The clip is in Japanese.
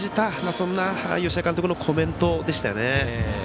そんな吉田監督のコメントでしたよね。